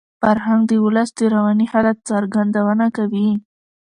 فرهنګ د ولس د رواني حالت څرګندونه کوي.